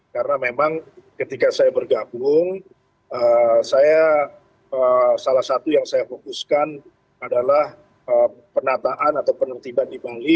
karena memang ketika saya bergabung salah satu yang saya fokuskan adalah penataan atau penertiban di bali